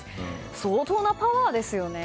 相当なパワーですよね。